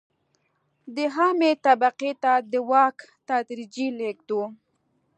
د عامې طبقې ته د واک تدریجي لېږد و.